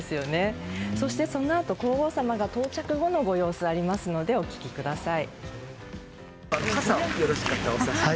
そして、そのあと皇后さまが到着後のご様子がありますのでお聞きください。